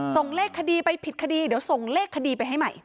ส่งเลขคดีไปผิดคดีเดี๋ยวส่งเลขคดีไปให้ใหม่